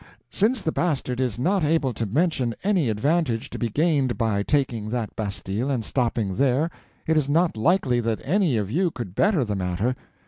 Since the Bastard is not able to mention any advantage to be gained by taking that bastille and stopping there, it is not likely that any of you could better the matter.